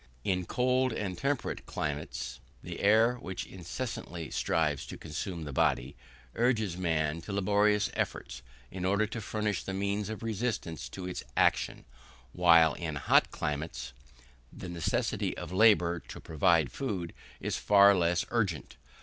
In cold and temperate climates, the air, which incessantly strives to consume the body, urges man to laborious efforts in order to furnish the means of resistance to its action, while, in hot climates, the necessity of labour to provide food is far less urgent.